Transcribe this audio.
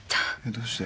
どうして？